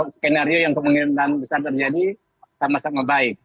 skenario yang kemungkinan besar terjadi sama sama baik